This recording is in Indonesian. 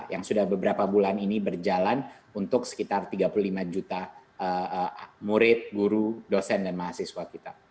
yang sudah beberapa bulan ini berjalan untuk sekitar tiga puluh lima juta murid guru dosen dan mahasiswa kita